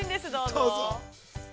どうぞ。